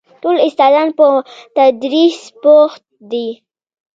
ټول استادان په تدريس بوخت دي.